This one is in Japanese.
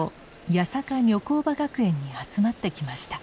八坂女紅場学園に集まってきました。